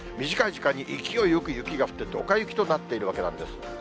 短い時間に勢いよく雪が降って、ドカ雪となっているわけなんです。